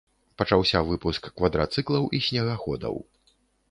Пачаўся выпуск квадрацыклаў і снегаходаў.